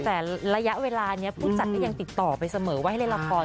แต่ระยะเวลานี้ผู้จัดก็ยังติดต่อไปเสมอว่าให้เล่นละคร